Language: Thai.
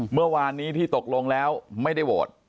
เมื่อวานนี้ที่ตกลงแล้วไม่ได้โหวต